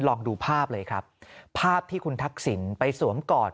ลองดูภาพเลยครับภาพที่คุณทักษิณไปสวมกอด